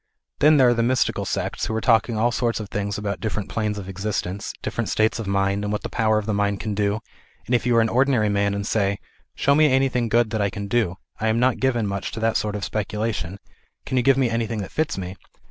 Then there are the mystical sects, who are talking all sorts of things about different planes of existence, different states of mind, and what the power of the mind can do, and if you are an ordinary man and say " Show me anything good that I can do ; I am not given much to that sort of speculation ; can you give me anything that fits rfce